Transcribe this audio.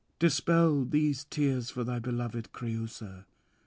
Dispel these tears for thy beloved Creüsa.